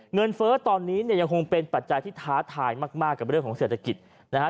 เงินเฟ้อตอนนี้ยังคงเป็นปัจจัยที่ท้าทายมากกับเรื่องของเศรษฐกิจ